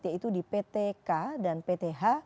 yaitu di ptk dan pth